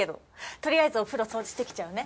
とりあえずお風呂掃除してきちゃうね。